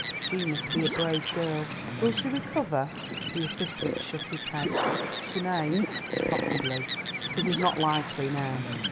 "She must be a brave girl. Will she recover?" The assistant shook his head. "She may, possibly. It is not likely now."